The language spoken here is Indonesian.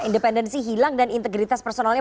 independensi hilang dan integritas personalnya